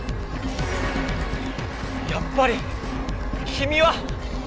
やっぱりきみは！